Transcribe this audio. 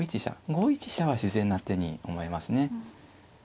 ５一飛車は自然な手に思えますね。